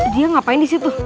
dia ngapain di situ